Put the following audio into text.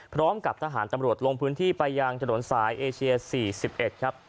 พร้อมกับทหารตำรวจลงพื้นที่ไปยางถนนสายเอเชียสสี่สิบเอ็ดครับ